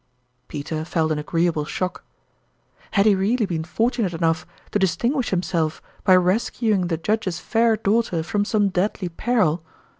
Peter felt an agreeable shock. Had he really been fortunate enough to distinguish himself by rescuing the Judge's fair daughter from some deadly peril